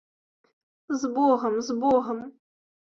З богам, з богам!